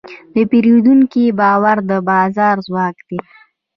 د پیرودونکي باور د بازار ځواک دی.